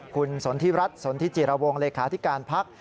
คุณสนทิรัฐสนทิจิรวงเลขาธิการพัก